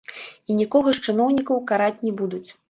І нікога з чыноўнікаў караць не будуць.